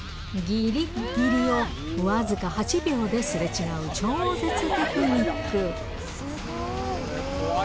ぎりっぎりを僅か８秒ですれ違う超絶テクニック。